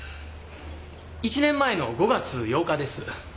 １年前の５月８日です。